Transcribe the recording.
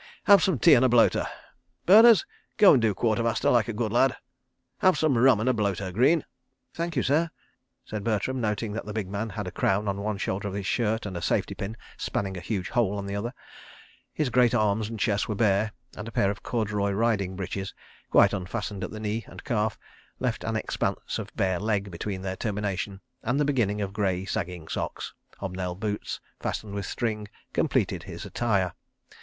. Have some tea and a bloater. ... Berners, go and do Quartermaster, like a good lad. ... Have some rum and a bloater, Greene. ..." "Thank you, sir," said Bertram, noting that the big man had a crown on one shoulder of his shirt and a safety pin spanning a huge hole on the other. His great arms and chest were bare, and a pair of corduroy riding breeches, quite unfastened at the knee and calf, left an expanse of bare leg between their termination and the beginning of grey, sagging socks. Hob nailed boots, fastened with string, completed his attire.